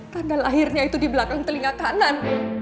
tanggal lahirnya itu di belakang telinga kanan